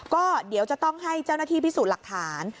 ก็เดี๋ยวจะต้องให้เจ้าหน้าที่พิสูจน์หลักฐาน